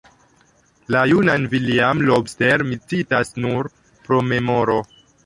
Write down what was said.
La junan Villiam Lobster mi citas nur pro memoro.